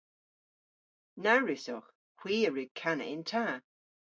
Na wrussowgh. Hwi a wrug kana yn ta.